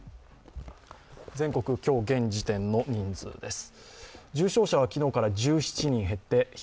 全国、今日現時点の人数です。